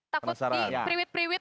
takut di priwit priwit